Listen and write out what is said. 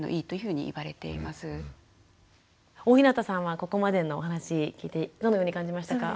大日向さんはここまでのお話聞いてどのように感じましたか？